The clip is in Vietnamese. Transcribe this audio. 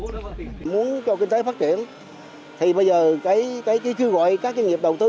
nếu muốn cho kinh tế phát triển thì bây giờ cái chứa gọi các nghiệp đầu tư